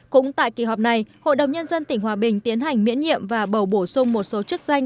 cũng tại kỳ họp này hội đồng nhân dân tỉnh hòa bình tiến hành miễn nhiệm và bầu bổ sung một số chức danh